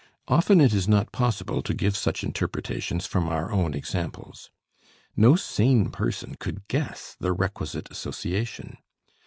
Often it is not possible to give such interpretations from our own examples. No sane person could guess the requisite association.